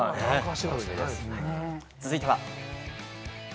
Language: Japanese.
続いては。